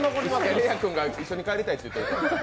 川レイアくんが一緒に帰りたいって言ってる。